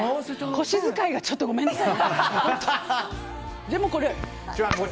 腰使いがちょっとごめんなさい。